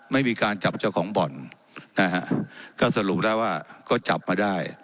ไม่มีการจับเจ้าของบ่อนนะฮะก็สรุปได้ว่าก็จับมาได้